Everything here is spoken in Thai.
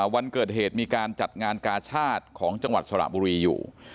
วันเกิดเหตุมีการจัดงานกาชาติของจังหวัดสระบุรีอยู่